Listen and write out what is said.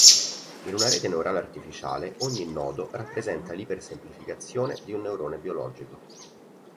In una rete neurale artificiale ogni "nodo" rappresenta l'ipersemplificazione di un neurone biologico.